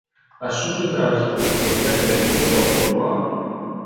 A sud transita la ferrovia Treviso-Portogruaro.